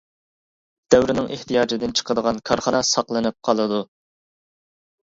دەۋرنىڭ ئېھتىياجىدىن چىقىدىغان كارخانا ساقلىنىپ قالىدۇ.